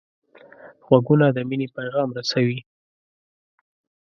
غوږونه د مینې پیغام رسوي